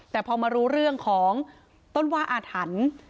แต่พอมารู้เรื่องของต้นว่าอาถรรพ์